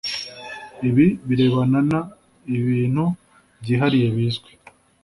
Ibi birebana n ibintu byihariye bizwi